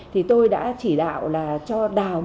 thì tôi đã chỉ đạo là cho đào một cái